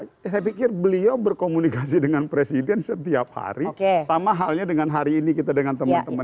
saya pikir beliau berkomunikasi dengan presiden setiap hari sama halnya dengan hari ini kita dengan teman teman